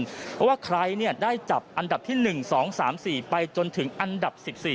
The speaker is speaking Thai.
เพราะว่าใครได้จับอันดับที่๑๒๓๔ไปจนถึงอันดับ๑๔